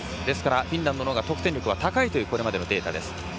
ですから、フィンランドのほうが得点力は高いというこれまでのデータです。